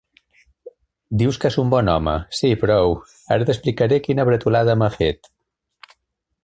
Dius que és un bon home; sí, prou: ara t'explicaré quina bretolada m'ha fet.